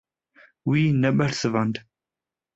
Wî nebersivand.